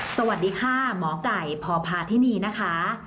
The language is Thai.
สวัสดีค่ะหมอไก่พพาธินีนะคะ